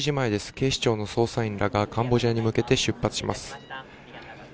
警視庁の捜査員らがカンボジアに向けて出発します。